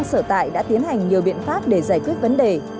các trường hợp sở tại đã tiến hành nhiều biện pháp để giải quyết vấn đề